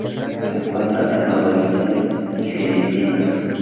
Se encuentran en Nueva Guinea y Filipinas.